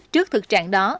trước thực trạng đó